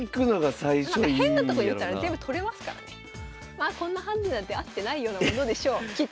まあこんなハンデなんてあってないようなものでしょうきっと。